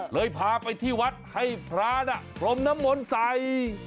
เลยพาไปที่วัดให้พระนักโครมน้ำหมดใส